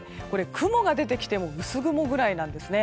雲が出てきても薄雲くらいなんですね。